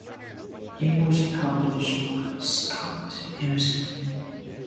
It was published by Schott Music.